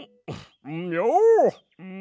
よう！